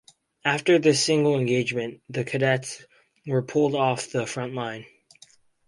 After this single engagement, the cadets were pulled off the front line.